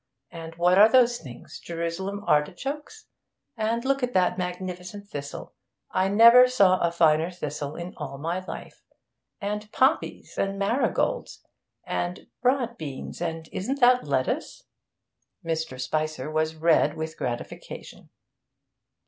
And what are those things? Jerusalem artichokes? And look at that magnificent thistle; I never saw a finer thistle in my life! And poppies and marigolds and broad beans and isn't that lettuce?' Mr. Spicer was red with gratification.